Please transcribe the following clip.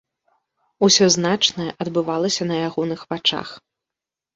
Усё значнае адбывалася на ягоных вачах.